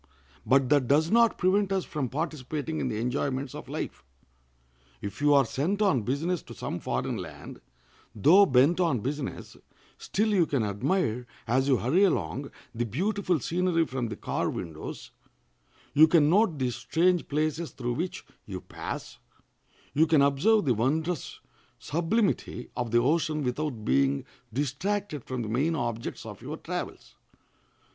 But that does not prevent us from participating in the enjoyments of life. If you are sent on business to some foreign land, though bent on business, still you can admire, as you hurry along, the beautiful scenery from the car windows; you can note the strange places through which you pass; you can observe the wondrous sublimity of the ocean without being distracted from the main objects of your travels.